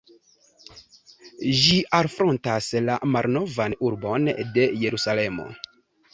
Ĝi alfrontas la Malnovan Urbon de Jerusalemo.